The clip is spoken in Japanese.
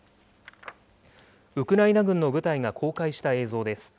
ウクライナ軍の部隊が公開した映像です。